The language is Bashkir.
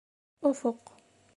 Офоҡ